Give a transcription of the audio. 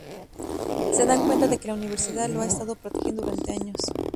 Se dan cuenta de que la universidad lo ha estado protegiendo durante años.